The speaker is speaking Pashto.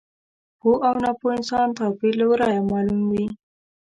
د پوه او ناپوه انسان توپیر له ورایه معلوم وي.